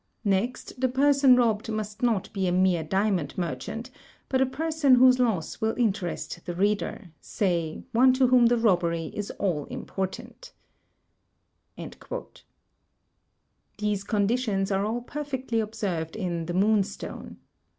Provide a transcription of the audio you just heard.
Next, the person robbed must not be a mere diamond merchant, but a person whose loss will interest the reader, say, one to whom the robbery is all important." These conditions are all perfectly observed in "The Moon stone."